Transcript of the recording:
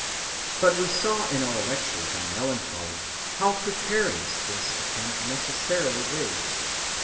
But we saw in our lectures on melancholy how precarious this attempt necessarily is.